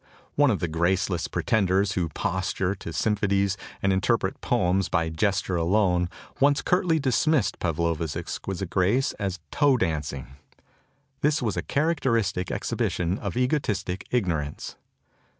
One of the grace less pretenders who posture to symphonies and interpret poems by gesture alone once curtly dismissed Pavlova's exquisite grace as "toe dancing." This was a characteristic exhibition of egotistic ignorance.